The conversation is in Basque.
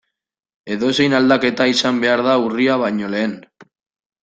Edozein aldaketa izan behar da urria baino lehen.